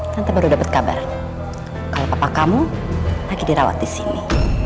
tante baru dapet kabar kalau papa kamu lagi dirawat disini